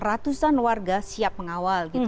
ratusan warga siap mengawal gitu